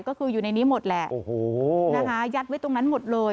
ก็คืออยู่ในนี้หมดแหละยัดไว้ตรงนั้นหมดเลย